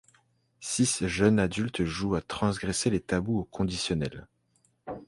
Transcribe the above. Six jeunes adultes jouent à transgresser les tabous au conditionnel.